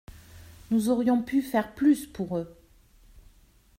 Nous aurions pu faire plus pour eux.